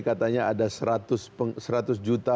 katanya ada seratus juta